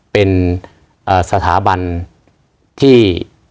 เป็นสถาบันที่